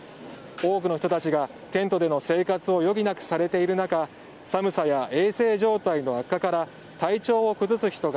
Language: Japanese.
多くの人たちがテントでの生活を余儀なくされている中寒さや衛生状態の悪化から体調を崩す人が